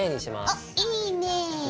おっいいね。